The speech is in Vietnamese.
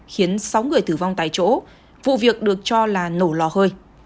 khiến sáu người tử vong tại chỗ vụ việc được cho là nổ lò hơi